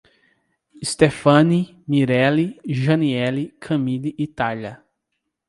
Estefany, Mirele, Janiele, Camili e Taila